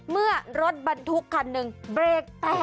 เมื่อรถบรรทุกคันหนึ่งเบรกแตก